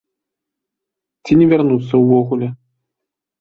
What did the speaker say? Ці не вярнуцца ўвогуле.